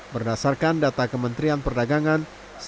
berdasarkan data kementerian perdagangan